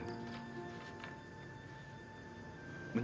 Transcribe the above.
hanyalah menurut saya